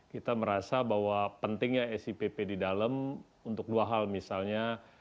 kita merasa bahwa pentingnya sipp di dalam untuk dua hal misalnya